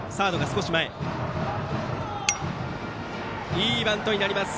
いいバントになります。